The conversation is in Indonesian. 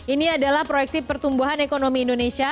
ini adalah proyeksi pertumbuhan ekonomi indonesia